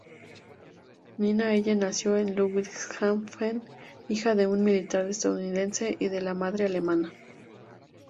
Nina Elle nació en Ludwigshafen, hija de un militar estadounidense y de madre alemana.